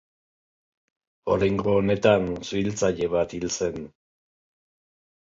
Oraingo honetan suhiltzaile bat hil zen.